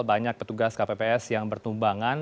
banyak petugas kpps yang bertumbangan